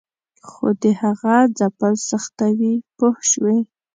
خو د هغه ځپل سختوي پوه شوې!.